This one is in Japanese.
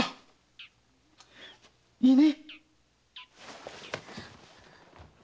いいね？